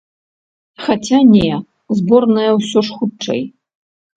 Хаця, не, зборная ўсё ж хутчэй.